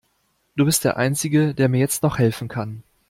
Du bist der einzige, der mir jetzt noch helfen kann.